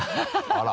あら。